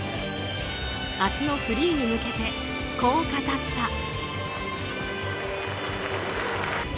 明日のフリーに向けてこう語った。